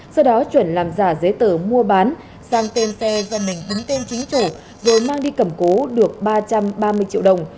sau đó chuẩn làm giả giấy tờ mua bán sang tên xe do mình đứng tên chính phủ rồi mang đi cầm cố được ba trăm ba mươi triệu đồng